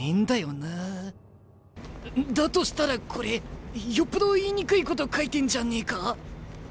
だとしたらこれよっぽど言いにくいこと書いてんじゃねえか？